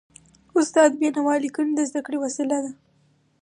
استاد د بينوا ليکني د زده کړي وسیله ده.